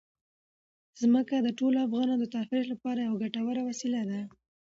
ځمکه د ټولو افغانانو د تفریح لپاره یوه ګټوره وسیله ده.